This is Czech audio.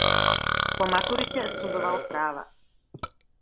Po maturitě studoval práva.